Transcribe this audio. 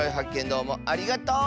どうもありがとう！